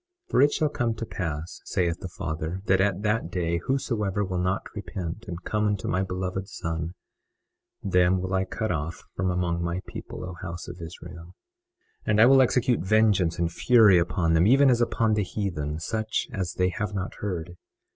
21:20 For it shall come to pass, saith the Father, that at that day whosoever will not repent and come unto my Beloved Son, them will I cut off from among my people, O house of Israel; 21:21 And I will execute vengeance and fury upon them, even as upon the heathen, such as they have not heard.